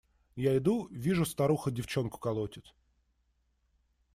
Я иду, вижу – старуха девчонку колотит.